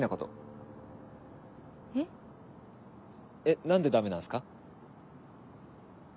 えっ何でダメなんすか？